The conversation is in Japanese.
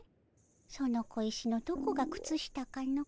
その小石のどこが靴下かの？